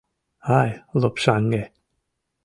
Ай, лопшаҥге!